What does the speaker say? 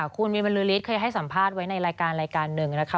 คุณวิมลฤทธิเคยให้สัมภาษณ์ไว้ในรายการรายการหนึ่งนะคะ